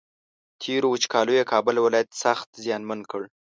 تېرو وچکالیو کابل ولایت سخت زیانمن کړ